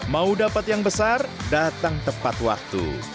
mau dapat yang besar datang tepat waktu